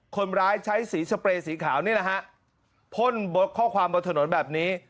คนร้ายใช้สีสเปรย์สีขาวนี่แหละฮะพ่นข้อความบนถนนแบบนี้